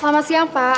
selamat siang pak